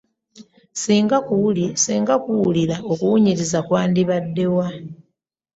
Singa kuwulira, okuwunyiriza kwandibadde wa?